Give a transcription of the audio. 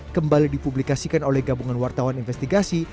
kembali dipublikasikan oleh gabungan wartawan investigasi